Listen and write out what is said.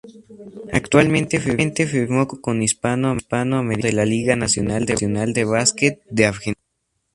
Actualmente firmó contrato con Hispano Americano de la Liga Nacional de Básquet de Argentina.